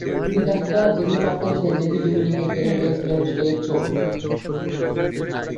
সেই কাজটা যিনি পারতেন, সেই জেপি ডুমিনিকে কেড়ে নিয়েছে হ্যামস্ট্রিংয়ের চোট।